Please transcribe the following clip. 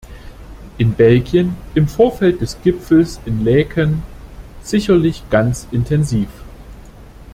In Belgien im Vorfeld des Gipfels in Laeken sicherlich ganz intensiv.